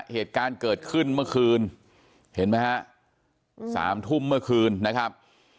เหตุการณ์เกิดขึ้นเมื่อคืนเห็นไหมฮะสามทุ่มเมื่อคืนนะครับ